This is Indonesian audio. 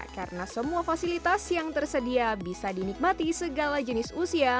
karena semua fasilitas yang tersedia bisa dinikmati segala jenis